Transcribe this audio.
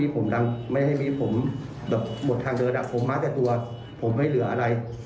เขาไม่ให้มีผมหมดทางเดินผมมาแต่ตัวผมไม่เหลืออะไร